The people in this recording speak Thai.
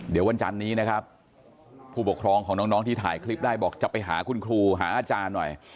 เดี๋ยววันจันนี้นะครับผู้ปกครองของน้องที่ถ่ายคลิปได้บอกจะไปหาคุณครูหาอาจารย์หน่อย